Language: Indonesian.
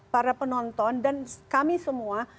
para penonton dan kami semua